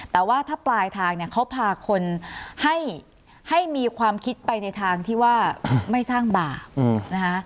แต่ว่าถ้าปลายทางเนี่ยเขาพาคนให้มีความคิดไปในทางที่ว่าไม่สร้างบาปนะคะ